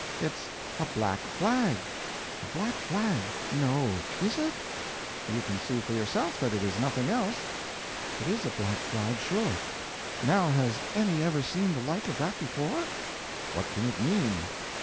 "It's a black flag." "A black flag! No—is it?" "You can see for yourself that it is nothing else." "It is a black flag, sure! Now, has any ever seen the like of that before?" "What can it mean?"